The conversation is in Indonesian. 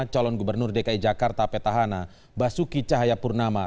calon gubernur dki jakarta petahana basuki cahayapurnama